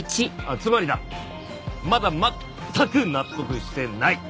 つまりだまだ全く納得してない。